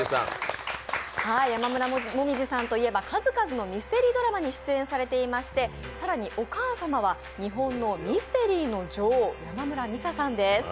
山村紅葉さんといえば、数々のミステリードラマに出演されていまして、更に、お母様は日本のミステリーの女王山村美紗さんです。